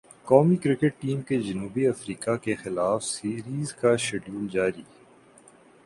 قومی cricket team کے جنوبی افریقہ کیخلاف سیریز کا شیڈول جاری